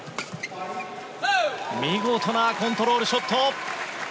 見事なコントロールショット。